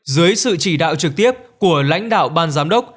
dưới sự chỉ đạo trực tiếp của lãnh đạo ban giám đốc